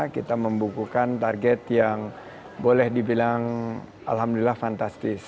kita membukukan target yang boleh dibilang alhamdulillah fantastis